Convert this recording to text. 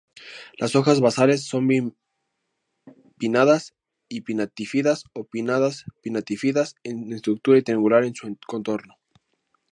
Las hojas basales son bipinnadas-pinnatífidas o pinnadas-pinnatífidas en estructura y triangular en su contorno.